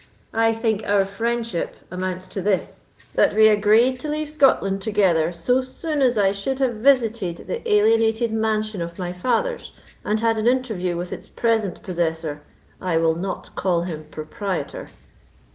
I think our friendship amounts to this, that we agreed to leave Scotland together so soon as I should have visited the alienated mansion of my fathers, and had an interview with its present possessor—I will not call him proprietor."